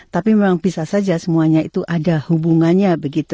tapi memang bisa saja semuanya itu ada hubungannya begitu